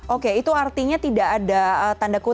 oke itu artinya tidak ada tanda kutip